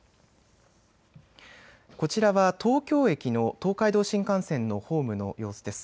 こちらは東京駅の東海道新幹線のホームの様子です。